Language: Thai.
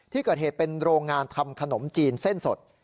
ที่เกิดเหตุเป็นโรงงานทำขนมจีนเส้นสด